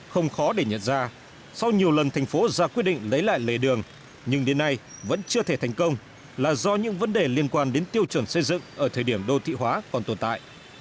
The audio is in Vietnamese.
không khó để nhận ra sau nhiều lần thành phố ra quyết định lấy lại lề đường nhưng đến nay vẫn chưa thể thành công là do những vấn đề liên quan đến tiêu chuẩn xây dựng ở thời điểm đô thị hóa còn tồn tại